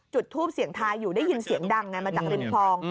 จุดทูปเสียงทายอยู่ได้ยินเสียงดังไงมาจากริมคลอง